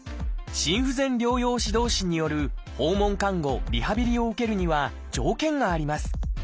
心不全療養指導士による訪問看護リハビリを受けるには条件があります。